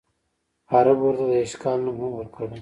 عربو ورته د ایش کال نوم هم ورکړی.